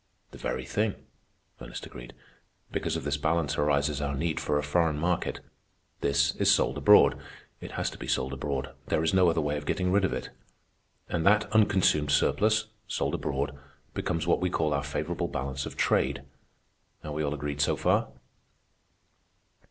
"The very thing," Ernest agreed. "Because of this balance arises our need for a foreign market. This is sold abroad. It has to be sold abroad. There is no other way of getting rid of it. And that unconsumed surplus, sold abroad, becomes what we call our favorable balance of trade. Are we all agreed so far?"